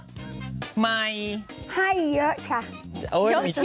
สวัสดีค่ะข้าวใส่ไข่